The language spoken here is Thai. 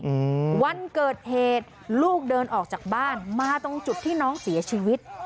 อืมวันเกิดเหตุลูกเดินออกจากบ้านมาตรงจุดที่น้องเสียชีวิต